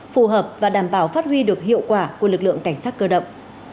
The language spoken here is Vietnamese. phù hợp và đảm bảo phát huy được hiệu quả của lực lượng cảnh sát cơ động